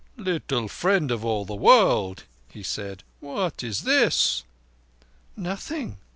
"Little Friend of all the World," said he, "what is this?" "Nothing.